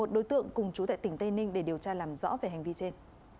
một đối tượng cùng chú tại tỉnh tây ninh để điều tra làm rõ về hành vi trên